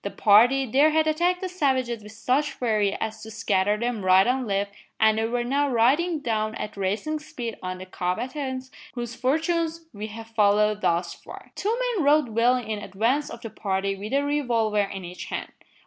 The party there had attacked the savages with such fury as to scatter them right and left and they were now riding down at racing speed on the combatants, whose fortunes we have followed thus far. Two men rode well in advance of the party with a revolver in each hand.